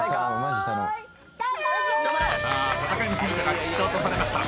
さあ戦いの火蓋が切って落とされました